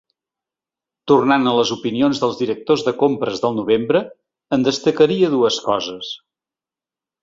Tornant a les opinions dels directors de compres del novembre, en destacaria dues coses.